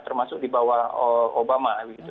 termasuk di bawah obama begitu